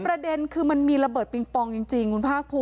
ประเด็นมันมีระเบิดปิงปองจริงบุญภาคพลุ